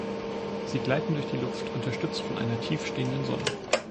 Sie gleiten durch die Luft, unterstützt von einer tiefstehenden Sonne.